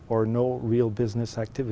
hoặc không có việc thực tế